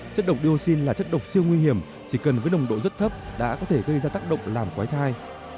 chất độc dioxin là chất độc siêu nguy hiểm chỉ cần với nồng độ rất thấp đã có thể gây ra tác động làm quái thai